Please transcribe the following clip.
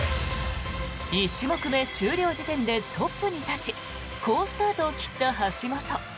１種目目終了時点でトップに立ち好スタートを切った橋本。